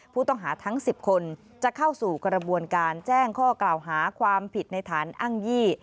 ผู้ต้องหาทั้ง๑๐คนจะเข้าสู่กระบวนการแจ้งข้อกล่าวหาความผิดในฐานอ้างยี่